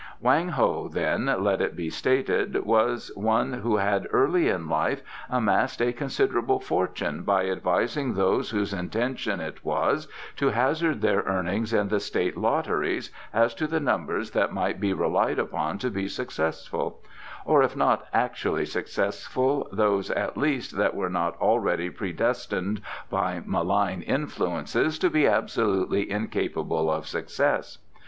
Wang Ho, then, let it be stated, was one who had early in life amassed a considerable fortune by advising those whose intention it was to hazard their earnings in the State Lotteries as to the numbers that might be relied upon to be successful, or, if not actually successful, those at least that were not already predestined by malign influences to be absolutely incapable of success.